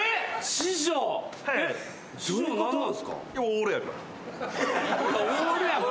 師匠何なんすか？